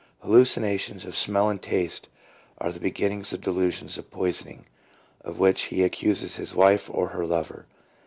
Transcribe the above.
Hallucinations of smell and taste 1 are the be ginnings of delusions of poisoning, of which he accuses his wife or her lover.